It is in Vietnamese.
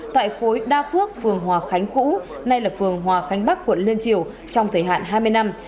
tại khối đa phước phường hòa khánh cũ nay là phường hòa khánh bắc quận liên triều trong thời hạn hai mươi năm